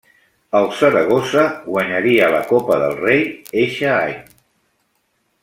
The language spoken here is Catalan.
El Saragossa guanyaria la Copa del Rei eixe any.